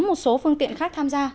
một số phương tiện khác tham gia